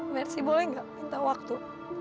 mersi boleh nggak minta waktu